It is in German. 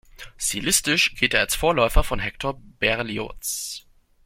Stilistisch gilt er als Vorläufer von Hector Berlioz.